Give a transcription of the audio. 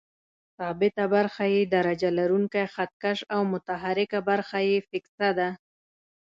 ثابته برخه یې درجه لرونکی خط کش او متحرکه برخه یې فکسه ده.